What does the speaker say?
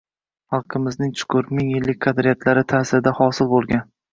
xalqimizning chuqur, ming yillik qadriyatlar ita’sirida hosil bo‘lgan